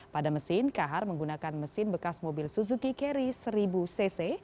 pada mesin kahar menggunakan mesin bekas mobil suzuki carry seribu cc